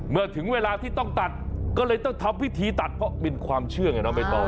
เมื่อถึงเวลาที่ต้องตัดก็เลยต้องทำพิธีตัดเพราะเป็นความเชื่อไงน้องใบตอง